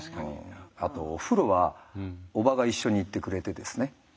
あとお風呂は叔母が一緒に行ってくれてですね。